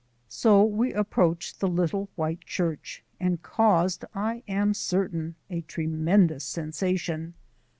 So we approached the little white church, and caused, I am certain, a tremendous sensation.